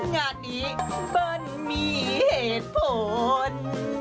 งานนี้มันมีเหตุผล